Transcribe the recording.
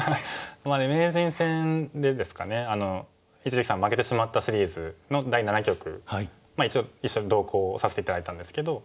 名人戦でですかね一力さん負けてしまったシリーズの第七局一応一緒に同行させて頂いたんですけど。